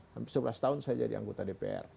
hampir sebelas tahun saya jadi anggota dpr